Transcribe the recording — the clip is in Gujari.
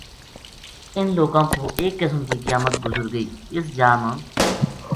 اِنھ لوکاں پو ایک قسم کی قیامت گزر گئی اس جا ما